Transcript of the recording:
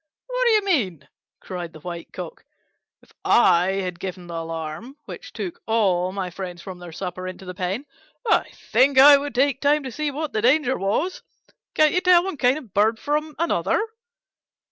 "What do you mean?" cried the White Cock. "If I had given the alarm which took all my friends from their supper into the pen, I think I would take time to see what the danger was. Can't you tell one kind of bird from another?"